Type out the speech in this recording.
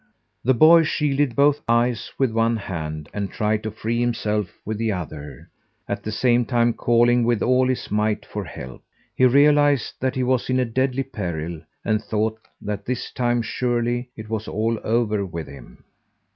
The boy shielded both eyes with one hand and tried to free himself with the other, at the same time calling with all his might for help. He realized that he was in deadly peril and thought that this time, surely, it was all over with him!